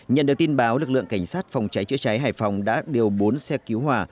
nhận được tin báo lực lượng cảnh sát phòng cháy chữa cháy hải phòng đã điều bốn xe cứu hỏa